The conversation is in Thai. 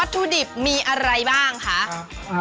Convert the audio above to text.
ถุดิบมีอะไรบ้างคะ